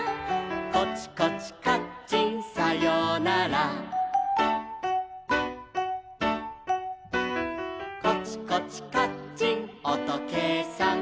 「コチコチカッチンさようなら」「コチコチカッチンおとけいさん」